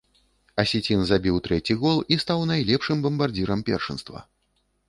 Асецін забіў трэці гол і стаў найлепшым бамбардзірам першынства.